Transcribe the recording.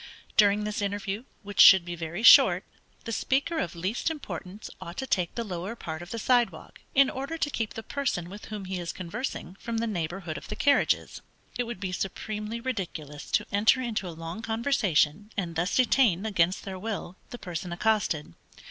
During this interview, which should be very short, the speaker of least importance ought to take the lower part of the side walk, in order to keep the person with whom he is conversing, from the neighborhood of the carriages. It would be supremely ridiculous to enter into a long conversation, and thus detain, against their will, the person accosted.